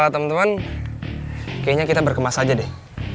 temen temen kayaknya kita berkemas aja deh